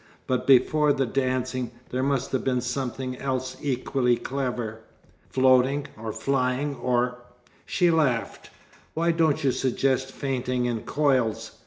"But before the dancing, there must have been something else equally clever. Floating or flying or " She laughed. "Why don't you suggest fainting in coils?